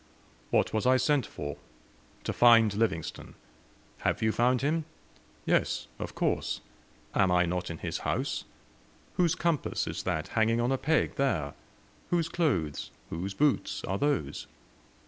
"What was I sent for?" "To find Livingstone." "Have you found him?" "Yes, of course; am I not in his house? Whose compass is that hanging on a peg there? Whose clothes, whose boots, are those?